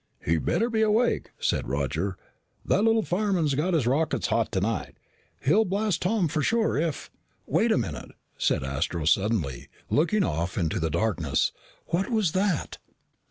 "He better keep awake," said Roger. "That little fireman's got his rockets hot tonight. He'll blast Tom sure if " "Wait a minute," said Astro suddenly, looking off into the darkness. "What was that?"